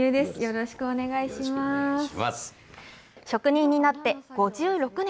職人になって５６年。